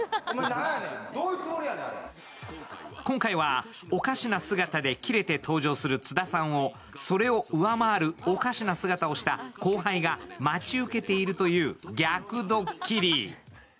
今回はおかしな姿でキレて登場する津田さんをそれを上回るおかしな姿をした後輩が待ち受けているという逆ドッキリ。